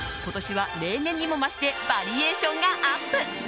今年は例年にも増してバリエーションがアップ。